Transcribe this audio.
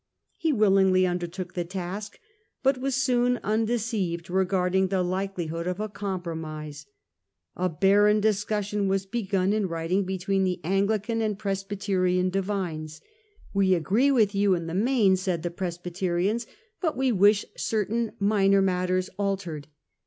He willingly undertook the task, but was soon undeceived regarding the likelihood of a compromise. A barren discussion was begun in writing, between the Anglican and Presbyterian divines. r66o. Dissolution of Convention Parliament 93 * We agree with you in the main,' said the Presbyterians, 'but we wish certain minor matters altered.